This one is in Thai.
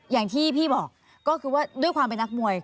อย่างที่พี่บอกก็คือว่าด้วยความเป็นนักมวย